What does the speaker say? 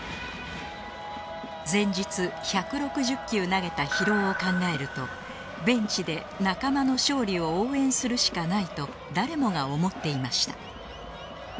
前日１６０球投げた疲労を考えるとベンチで仲間の勝利を応援するしかないと誰もが思っていました